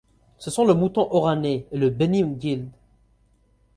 Ce sont le mouton oranais et le Beni M'guild.